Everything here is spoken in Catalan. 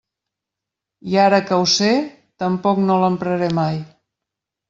I ara que ho sé, tampoc no l'empraré mai.